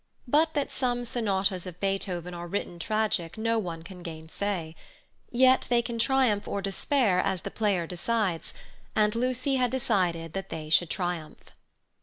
But that some sonatas of Beethoven are written tragic no one can gainsay; yet they can triumph or despair as the player decides, and Lucy had decided that they should triumph.